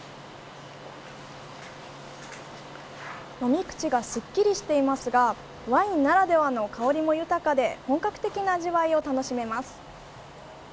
飲み口がすっきりしていますがワインならではの香りも豊かで本格的な味わいが楽しめます。